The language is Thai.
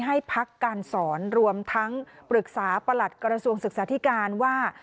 ให้พักการสอนรวมทั้งปรึกษาประหลัดกระทรวงศึกษาธิการว่า